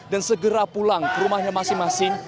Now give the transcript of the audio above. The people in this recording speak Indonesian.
dan segera pulang ke rumahnya masing masing